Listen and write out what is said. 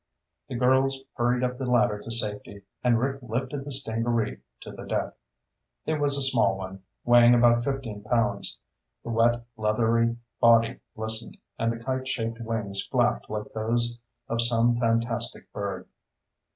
The girls hurried up the ladder to safety, and Rick lifted the stingaree to the deck. It was a small one, weighing about fifteen pounds. The wet, leathery body glistened, and the kite shaped wings flapped like those of some fantastic bird.